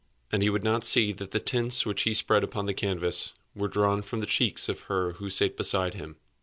And he would not see that the tints which he spread upon the canvas were drawn from the cheeks of her who sate beside him.